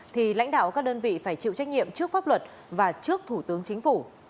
thì lãnh đạo các đơn vị phải chịu trách nhiệm trước pháp luật và trước thủ tướng chính phủ